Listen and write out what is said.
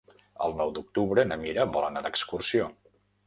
El nou d'octubre na Mira vol anar d'excursió.